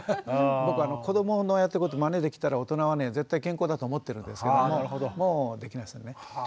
僕子どものやってることまねできたら大人は絶対健康だと思ってるんですけどももうできないですよね。